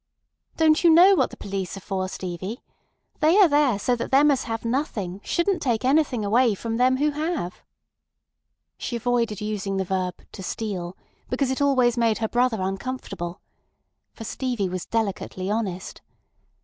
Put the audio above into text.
"Don't you know what the police are for, Stevie? They are there so that them as have nothing shouldn't take anything away from them who have." She avoided using the verb "to steal," because it always made her brother uncomfortable. For Stevie was delicately honest.